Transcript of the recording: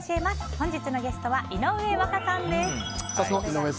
本日のゲストは井上和香さんです。